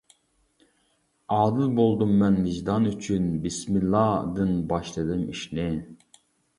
ئادىل بولدۇم مەن ۋىجدان ئۈچۈن، «بىسمىللا» دىن باشلىدىم ئىشنى.